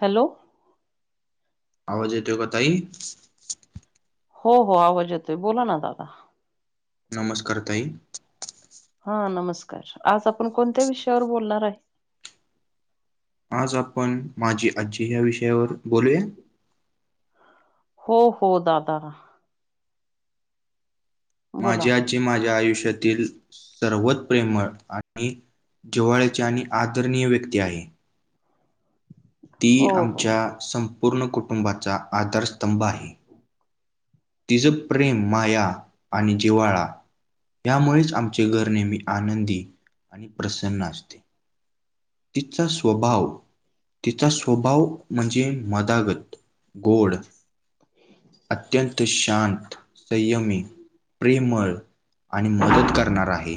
Hello आवाज येतो का ताई? हो -हो आवाज येतोय बोला ना दादा नमस्कार ताई हा नमस्कार आज आपण कोणत्या विषयावर बोलणार आहे? आज आपण माझी आजी ह्या विषयावर बोलूया? हो- हो दादा बोला माझी आजी माझ्या आयुष्यातील सर्वात प्रेमळ आणि जिव्हाळ्याची आणि आदरणीय व्यक्ती आहे. ती हो हो आमच्या संपूर्ण कुटुंबाचा आधारस्तंभ आहे. तिचं प्रेम, मायाा आणि जिव्हाळा यामुळेच आमचे घर नेहमी आनंदी आणि प्रसन्न असते. तिचा स्वभाव तिचा स्वभाव म्हणजे मधागत गोड अत्यंत शांत, संयमी, प्रेमळ आणि मदत करणारा आहे.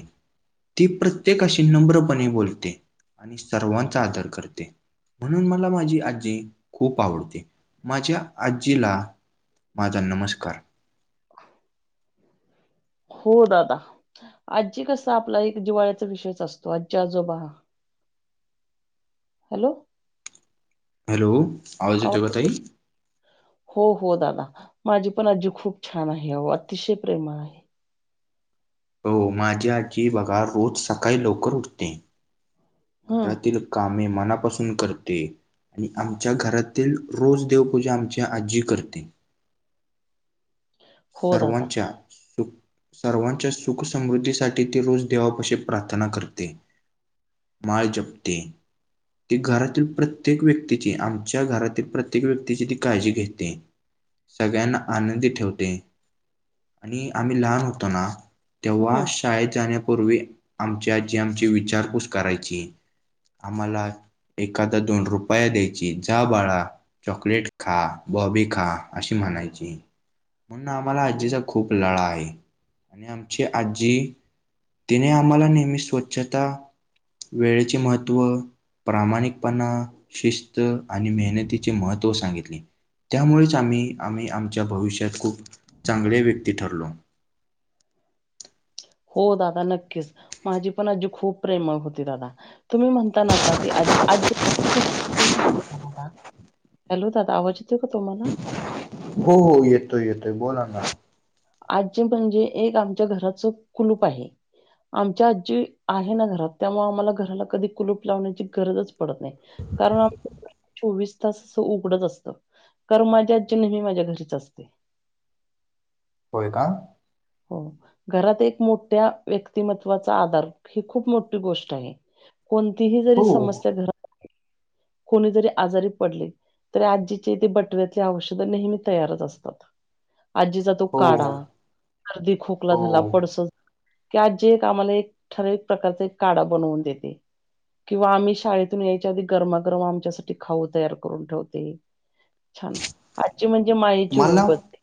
ती प्रत्येकाशी नम्रपणे बोलते आणि सर्वांचा आदर करते. म्हणून मला माझी आजी खूप आवडते माझ्या आजीला माझा नमस्कार अं हो दादा आजी कस आपल्याला एक जिव्हाळ्याचा विषयच असतो आजी- आजोबा हॅलो हॅलो आवाज येतो का ताई? हो- हो दादा माझी पण आजी खूप छान आहे., अतिशय प्रेमळ आहे. हो माझी आजी बघा रोज सकाळी लवकर उठते हम्म घरातील कामे मनापासून करते. आणि आमच्या घरातील रोज देवपूजा आमची आजी करते. हो दादा सर्वांच्या [inaudible] दुख सर्वांच्या सुख, समृद्धीसाठी ते रोज देवापाशी प्रार्थना करते. माय जपते. ती घरातील प्रत्येक व्यक्तीची, आमच्या घरातील प्रत्येक व्यक्तीची ती काळजी घेते. सगळ्यांना आनंदी ठेवते. [inaudible] आणि आम्ही लहान होतो ना तेव्हा हम्म शाळेत जाण्यापूर्वी आमचु आजी आमची विचारपूस करायची. आम्हाला एखादा दोन रुपया द्यायची जा बाळा. चॉकलेट खा बॉबी खा अशी म्हणायची. म्हणून आम्हाला आजीचा खूप लळा आहे. आणि आमची आजी तिने आम्हाला नेहमी स्वच्छता, वेळेचे महत्त्व प्रामाणिकपणा, शिस्त आणि मेहनतीचे महत्त्व सांगितले. त्यामुळेच आम्ही, आम्ही आमच्या भविष्यात खूप चांगले व्यक्ती ठरलो. हो दादा नक्कीच. माझी पण आजी खूप प्रेम होती दादा. तुम्ही म्हणता ना ते, [unintelligible] हॅलो दादा, आवाज येतोय का तुम्हाला? [inaudible] हो, हो. येतोय, येतोय बोला ना. आजी म्हणजे एक आमच्या घराच कुलूप आहे. आमच्या आजी आहे ना घरात, त्यामुळं आम्हाला घराला कधी कुलूप लावण्याची गरजच पडत नाही. कारण आमचं घर चोवीस तास असं उघडंच असतं. कारन माझी आजी नेहमी माझ्या घरीच असते. होय का? हो. घरात एक मोठ्या व्यक्तिमत्वाचा आधार ही खूप मोठी गोष्ट आहे. कोणतीही जरी हो समस्या घ कोणी जरी आजारी पडले, तरी आजीचे ते बटव्याचे औषध नेहमी तयारच असतात. आजीचा तो काडा, हो सर्दी, खोकला झाला हो. पडस झा की, आजी एक आम्हाला एक ठरावीक प्रकारचा एक काढा बनवून देते. किंवा आम्ही शाळेतून यायच्या आधी गरमागरम आमच्यासाठी खाऊ तयार करून ठेवते. छान! आजीची म्हणजे मायेची मला ऊब असते.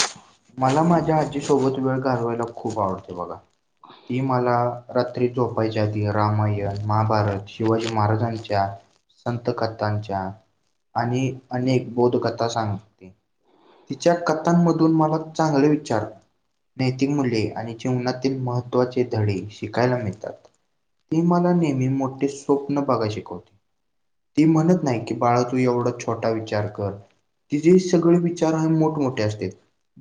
[inaudible] मला माझ्या आजी सोबत वेळ घालवायला खूप आवडते बघा. [inaudible] ती मला रात्री झोपायच्या आधी, रामायण, महाभारत शिवाजी महाराजांच्या संत कथांच्या, आणि अनेक बोधकथा सांगते. तिच्या कथांमधून मला चांगले विचार नैतिक मूल्ये आणि जीवनातील महत्त्वाचे धडे शिकायला मिळतात. ती मला नेहमी मोठे स्वप्न बघाय शिकवते. ती म्हणत नाही की बाळा तू एवढा छोटा विचार कर कर. तिचेे सगळे विचार हे मोठमोठे असते.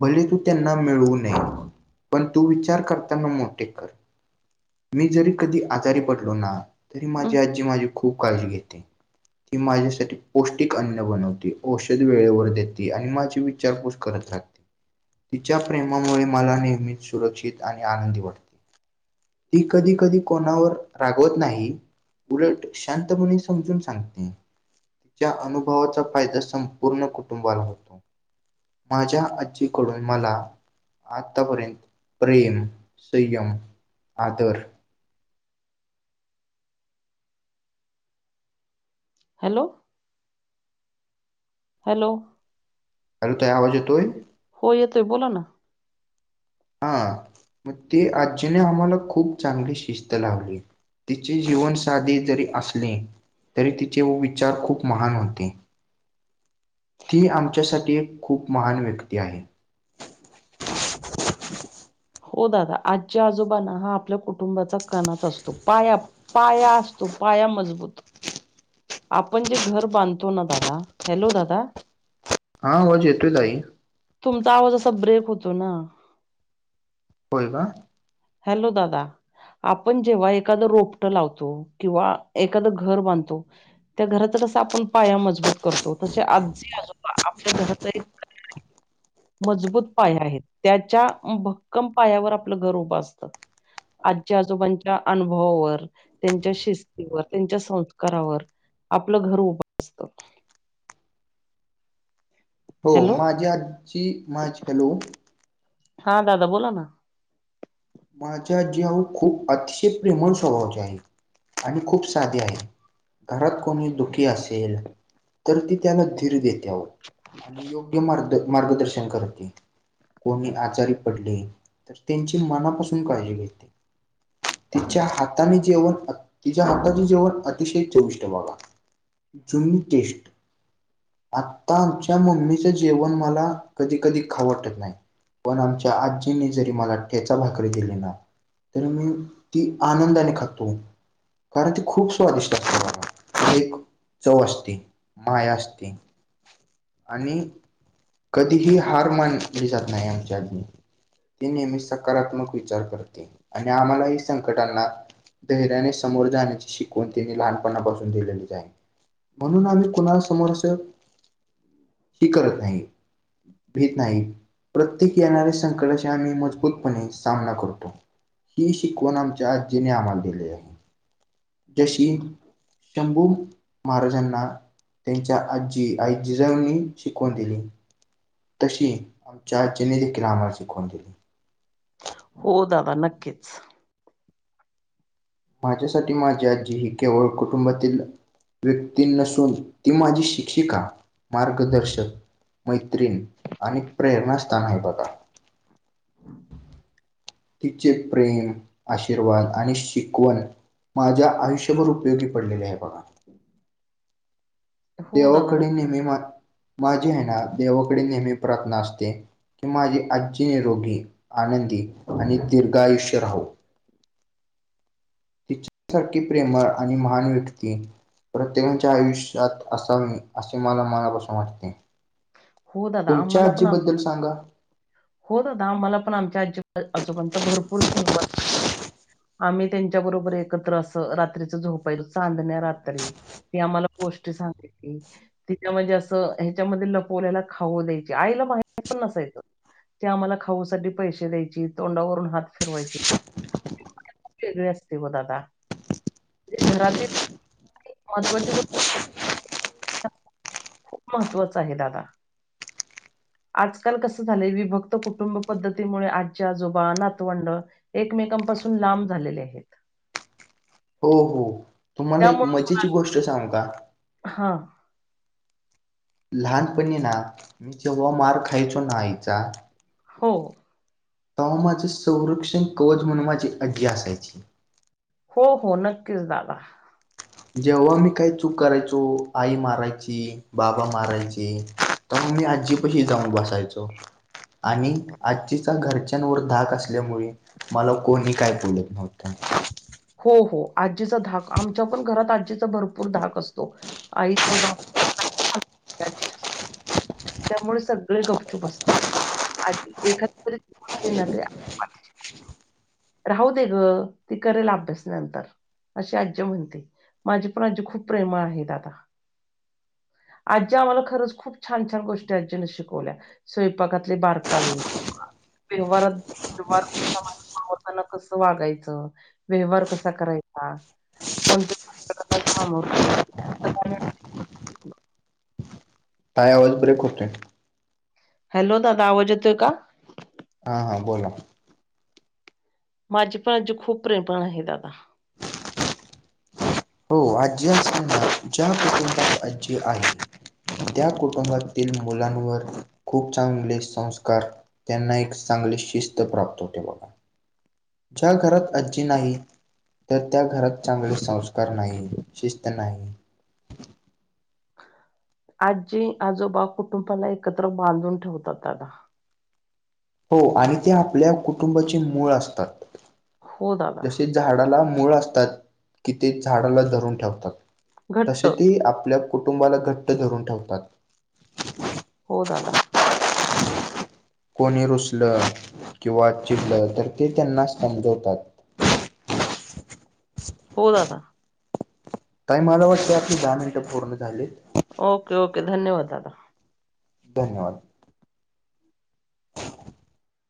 भले तू त्यांना मिळू नये. पण तू विचार करताना मोठे कर. [inaudible] मी जरी कधी आजारी पडलो ना, तरी हं माझी आजी माझी खूप काळजी घेते. ती माझ्यासाठी पौष्टिक अन्न बनवते. औषध वेळेवर देते. आणि माझी विचारपूस करत राहते. तिच्या प्रेमामुळे मला नेहमीच सुरक्षित आणि आनंदी वाटते. ती कधी कधी कोणावर रागवत नाही. उलट शांतपणे समजून सांगते. तिच्या अनुभवाचा फायदा संपूर्ण कुटुंबाला होतो. [inaudible] माझ्या आजीकडून मला आताप्रेंत प्रेम, संयम, आदर हॅलो हॅलो अलो ताई आवाज येतोय? हो येतोय, बोला ना. आं, म ते आजीने आम्हाला खूप चांगली शिस्त लावली. तिचे जीवन साधे जरी असने, तरी तिचे व विचार खूप महान होते. ती आमच्यासाठी एक खूप महान व्यक्ती आहे. हो दादा आजी आजोबाना हा आपल्या कुटुंबाचा कनाच असतो. पाया पाया असतो पाया मजबूत. आपण जे घर बांधतो ना दादा, हॅलो दादा हां वाज येतोय ताई. तुमचा आवाजा असा ब्रेक होतो ना. व्हय का? हॅलो दादा. आपण जेव्हा एखादं रोपटं लावतो किंवा एखादं घर बांधतो त्या घराचं कसं आपण पाया मजबूत करतो, तसे आजी आजोबा आपल्या घराचा एक [inaudible] मजबूत पाया आहेत. त्याच्या भक्कम पायावर आपलं घर उभं असतं. आजी आजोबांच्या अनुभवावर, त्यांच्या शिस्तीवर, त्यांच्या संस्कारावर आपलं घर उबा असतं हो हॅलो माझी आजी माझ् हॅलो. हां दादा बोला ना. माझी आजी अहो खूप अतिशय प्रेमळ स्वभावाची आहे आणि खूप साधी आहे. घरात कोणी दुःखी असेल तर ती त्यांला धीर दे त्याव आणि योग्य मार्ग मार्गदर्शन करते, कोणी आजारी पडले तर त्यांची मनापासू काळजी घेते. तिच्या हाताने जेवण तिच्या हाताचे जेवण अतिशय चविष्ट बाबा. जुनी टेस्ट. आत्ता आमच्या मम्मीचं जेवण मला कधी कधी खाऊ वाटत नाही. पण आमच्या आज्जीनी जरी मला ठेचा भाकरी दिली ना तर मी ती आनंदाने खातो. कारं ती खूप स्वादिष्ट [inaudible] बाबा, ती एक चव असते माया असते. आणि कधीही हार मानली जात नाही आमच्या आज्जीनी. ती नेहमी सकारात्मक विचार करते आणि आम्हालाही संकटांना धैर्याने समोर जाण्याची शिकवण तिने लहानपणापासून दिलेलीच आय. म्हणून आम्ही कुणा समोरसं हि करत नाही. भीेत नाही. प्रत्येक येणाऱ्या संकटाचे आम्ही मजबूतपणे सामना करतो. ही शिकवण आमच्या आज्जीने आम्हाल दिली आहे. जशी शंभू महाराजांना त्यांच्या आज्जी आई जिजाऊनी शिकवण दिली. तशी आमच्या आज्जीने देखील आम्हाला शिकवण दिली. हो दादा नक्कीच. माझ्यासाठी माझी आजी ही केवळ कुटुंबातील व्यक्ती नसून ती माझी शिक्षिका मार्गदर्शक मैत्रीण आणि प्रेरणास्थान आहे बघा. तिचे प्रेम, आशीर्वाद आणि शिकवण माझ्या आयुष्यभर उपयोगी पडलेले आहे बघा. हो दादा देवाकडे नक्कीच नेहमी मा, माझी आहे ना देवाकडे नेहमी प्रार्थना असते. की माझी आज्जी निरोगी आनंदी आणि दीर्घायुष्य राहो. तिच्यासारखी प्रेमळ आणि महान व्यक्ती प्रत्येकाच्या आयुष्यात असावी असे मला मनापासून वाटते. हो दादा तुमच्या आम्हाला पण आजीबद्दल आमच्या सांगा? हो दादा आम्हाला पण आमच्या आज्जी आजोबांचा भरपूर सहवास आहे. आम्ही त्यांच्या बरोबर एकत्र असं रात्रीचं झोपायचो चांदण्या रात्री ती आम्हाला गोष्ट सांगायची तिन म्हणजे असा ह्याच्यामधे पोल्याला खाऊ द्यायची आईला माहिती पण नसायचं. ते आम्हाला खाऊ साठी पैसे द्यायची तोंडावरून हात फिरवायची. वेगळे असते वो दादा घरातील महत्वाची खूप महत्त्वाच आहे दादा आजकाल कसं झालंय विभक्त कुटुंब पद्धतीमुळे आज्जी आजोबा नातवंड एकमेकांपासून लांब झालेले आहेत. हो हो तुम्हाला एक त्यामुळे मजेची गोष्ट सांगु का हां लहानपणी ना जेव्हा मार खायचो ना आईचा हो तवा माझं संरक्षण कवच म्हणून माझी आज्जी असायची. हो हो नक्कीच दादा जेव्हा मी काही चूक करायचो आई मारायची बाबा मारायचे तवा मी आज्जीपाशी जाऊन बसायचो. आणि आज्जीचा घरच्यांवर धाक असल्यामुळे मला कोणी काय बोलत नव्हतं. हो हो आज्जीचा धाक आमच्या पण घरात आज्जी चा भरपूर धाक असतो. आई [unintelligible] त्यामुळे सगळे गपचूप असतात. [unintelligible] राहू दे ग ती करल आप अभ्यानंतर असे आज्जी म्हणते माझी पण आज्जी खूप प्रेमळ आहे दादा आज्जी आम्हाला खरंच खूप छान छान गोष्टी आज्जीन शिकवल्या. स्वयंपाकातले बारकावे व्यवारात व्यवहार करताना कसं वागायचं. व्यवहार कसा करायचा कोणत्या सामोर [unintelligible] [unintelligible] हॅलो दादा आवाज येतोय का हा हा बोला माझी पण आज्जी खूप प्रेमळ आहे दादा हो आज्जी [unintelligible] आज्जी आहे त्या कुटुंबातील मुलांवर खूप चांगले संस्कार त्यांना एक चांगली शिस्त प्राप्त होते बघा ज्या घरात आजी नाही. तर त्या घरात चांगले संस्कार नाही शिस्त नाही. आजी आजोबा कुटुंबाला एकत्र बांधून ठेवतात दादा. हो आणि ते आपल्या कुटुंबाचे मूळ असतात. हो दादा जसे झाडाला मूळ असतात कि ते झाडाला धरून ठेवतात घट्ट तसे ते आपल्या. कुटुंबाला घट्ट धरून ठेवतात. होदला हो दादा. कोणी रुसलं किंवा चिडलं तर ते त्यांना समजवतात. हो दादा. काही मला वाटतें आपली दहा मिनटं पूर्ण झालीत. ओके ओके धन्यवाद दादा. धन्यवाद.